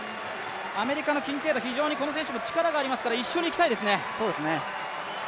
アメリカのキンケイド、非常にこの選手力がありますから一緒にいきたいですね。